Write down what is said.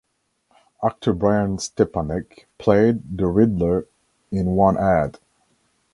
Actor Brian Stepanek played the Riddler in one ad.